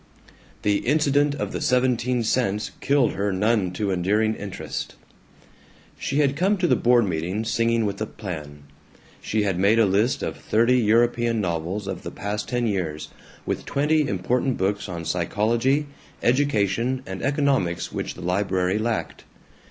The Incident of the Seventeen Cents killed her none too enduring interest. She had come to the board meeting singing with a plan. She had made a list of thirty European novels of the past ten years, with twenty important books on psychology, education, and economics which the library lacked.